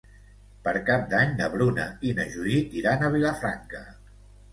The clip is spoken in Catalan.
Per Cap d'Any na Bruna i na Judit iran a Vilafranca.